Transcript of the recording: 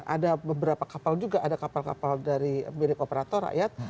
ada beberapa kapal juga ada kapal kapal dari milik operator rakyat